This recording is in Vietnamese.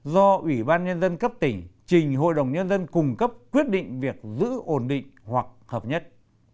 do ủy ban nhân dân cấp tỉnh trình hội đồng nhân dân cung cấp quyết định việc giữ ổn định hoặc hợp nhất